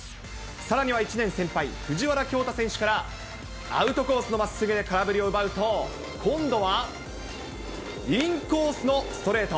さらには１年先輩、藤原恭大選手から、アウトコースのまっすぐ、空振りを奪うと、今度はインコースのストレート。